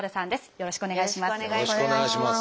よろしくお願いします。